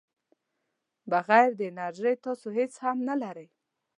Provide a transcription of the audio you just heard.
بغیر د انرژۍ تاسو هیڅ هم نه لرئ.